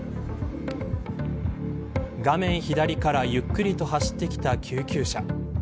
画面左からゆっくりと走ってきた救急車。